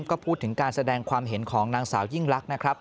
ก็พูดถึงการแสดงความเห็นของนางสาวยิ่งลักษณ์นะครับ